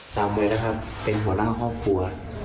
มวยนะครับเป็นหัวหน้าครอบครัว